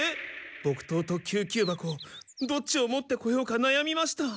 木刀ときゅう急箱どっちを持ってこようかなやみました。